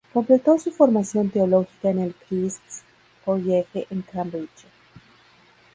Completó su formación teológica en el Christ’s College en Cambridge.